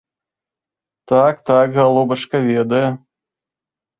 Так, так, галубачка, ведае.